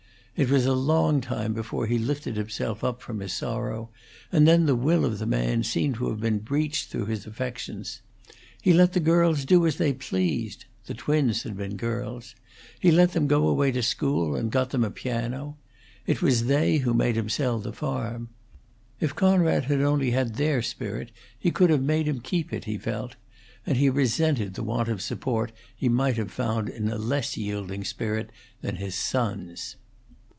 It was a long time before he lifted himself up from his sorrow, and then the will of the man seemed to have been breached through his affections. He let the girls do as they pleased the twins had been girls; he let them go away to school, and got them a piano. It was they who made him sell the farm. If Conrad had only had their spirit he could have made him keep it, he felt; and he resented the want of support he might have found in a less yielding spirit than his son's.